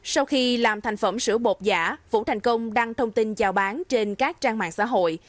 sau khi làm thành phẩm sữa bột giả vũ thành công đăng thông tin giao bán trên các trang mạng xã hội